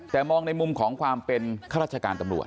แต่มองในมุมของความเป็นข้าราชการตำรวจ